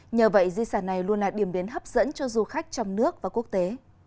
nhờ vậy di sản này luôn là điểm biến hấp dẫn cho du khách trong nước và quốc tế